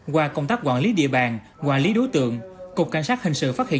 qua công tác quản lý địa bàn quản lý đối tượng cục cảnh sát hình sự phát hiện